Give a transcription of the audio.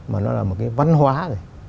mà nó là một cái văn hóa